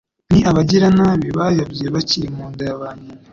Ni abagiranabi bayobye bakiri mu nda ya ba nyina